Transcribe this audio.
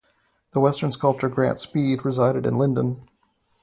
The western sculptor Grant Speed resided in Lindon.